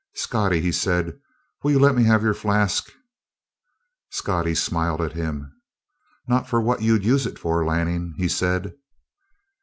"Scottie," he said, "will you let me have your flask?" Scottie smiled at him. "Not for what you'd use it for, Lanning," he said.